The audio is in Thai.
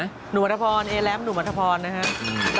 หนุ่มอัทภรณ์เอะแรมหนุ่มอัทภรณ์นะฮะ